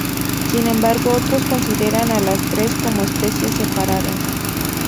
Sin embargo otros consideran a las tres como especies separadas.